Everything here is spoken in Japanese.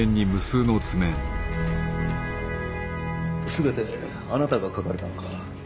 全てあなたが描かれたのか。